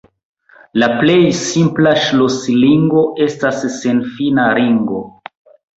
La plej simpla ŝlosilingo estas senfina ringo.